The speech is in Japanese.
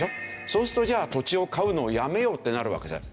そうするとじゃあ土地を買うのをやめようってなるわけですね。